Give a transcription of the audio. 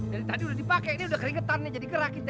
jadi tadi udah dipake ini udah keringetan nih jadi gerak kita